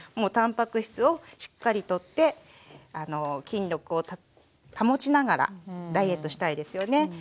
たんぱく質をしっかりとって筋力を保ちながらダイエットしたいですよね。